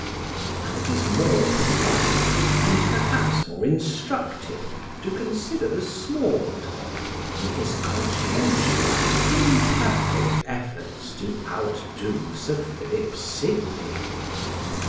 And it is more pathetic and perhaps more instructive to consider the small dog in his conscientious and imperfect efforts to outdo Sir Philip Sidney.